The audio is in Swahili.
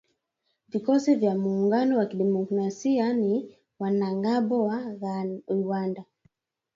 Vikosi vya Muungano wa Kidemokrasia ni wanamgambo wa Uganda.